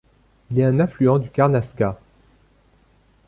Il est un affluent du Quargnasca.